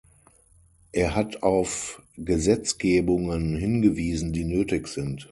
Er hat auf Gesetzgebungen hingewiesen, die nötig sind.